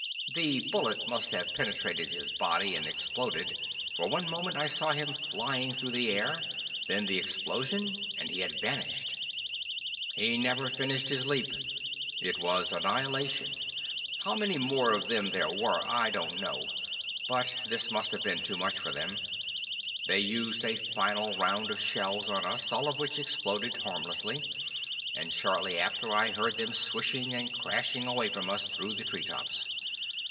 The "bullet" must have penetrated his body and exploded. For one moment I saw him flying through the air. Then the explosion, and he had vanished. He never finished his leap. It was annihilation. How many more of them there were I don't know. But this must have been too much for them. They used a final round of shells on us, all of which exploded harmlessly, and shortly after I heard them swishing and crashing away from us through the tree tops.